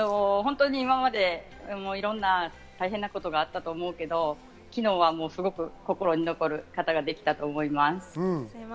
今まで大変なことがあったと思うけど、昨日はすごく心に残る形ができたと思います。